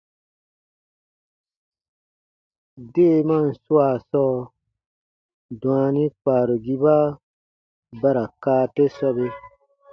Deemaan swaa sɔɔ, dwaani kpaarugiba ba ra kaa te sɔbe.